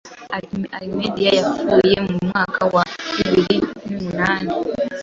Almeida yapfuye mu mwakwa wa bibiri numunani